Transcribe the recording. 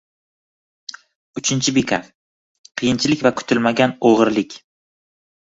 Uchinchi bekat: Qiyinchilik va kutilmagan o’g’irlik